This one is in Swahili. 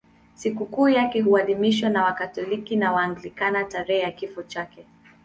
Sikukuu yake huadhimishwa na Wakatoliki na Waanglikana tarehe ya kifo chake.